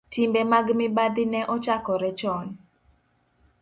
Timbe mag mibadhi ne ochakore chon,